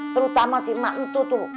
terutama si mak itu tuh